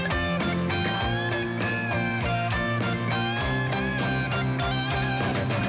ชีวิตต้องฝ่าฝั่งอุปสรรคนับพัน